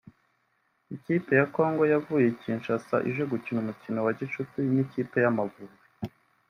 Ikipe ya Congo yavuye Kinshasa ije gukina umukino wa gicuti n’ikipe y’Amavubi